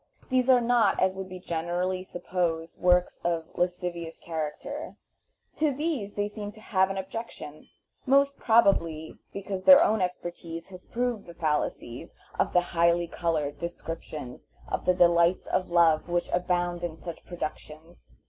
These are not, as would be generally supposed, works of lascivious character; to these they seem to have an objection, most probably because their own experience has proved the fallacies of the highly colored descriptions of the delights of love which abound in such productions.